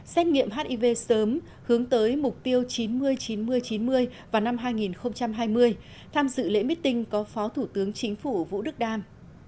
xét nghiệm hiv sớm hướng tới mục tiêu chín mươi chín mươi chín mươi vào năm hai nghìn hai mươi tham dự lễ meeting có phó thủ tướng chính phủ vũ đức đam